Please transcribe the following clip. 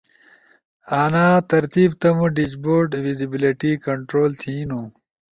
انا ترتیب تمو ڈیشبورڈ ویسیبیلیٹی کنٹرول تھینو۔